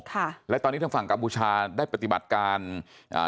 ค่ะและตอนนี้ทางฝั่งกัมพูชาได้ปฏิบัติการอ่า